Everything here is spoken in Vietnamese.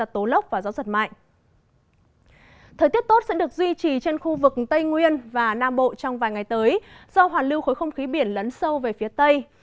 thời tiết tốt sẽ được duy trì trên khu vực tây nguyên và nam bộ trong vài ngày tới do hoàn lưu khối không khí biển lấn sâu về phía tây